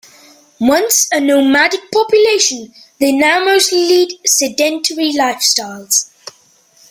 Once a nomadic population, they now mostly lead sedentary lifestyles.